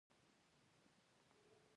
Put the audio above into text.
تنور د غنمو خوږ بوی خپروي